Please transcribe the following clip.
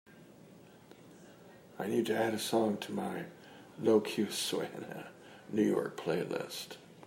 I need to add a song to my lo que suena new york playlist.